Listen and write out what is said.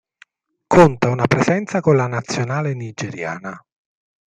Conta una presenza con la Nazionale nigeriana.